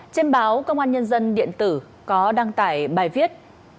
trên báo công an nhân dân điện tử có đăng tải bài viết